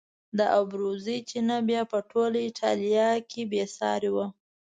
د ابروزي چینه بیا په ټوله ایټالیا کې بې سارې وه.